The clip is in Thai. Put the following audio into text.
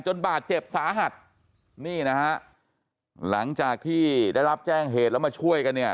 บาดเจ็บสาหัสนี่นะฮะหลังจากที่ได้รับแจ้งเหตุแล้วมาช่วยกันเนี่ย